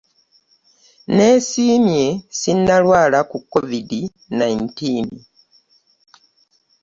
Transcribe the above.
Nneesiimye sinnalwala ku covid nineteen.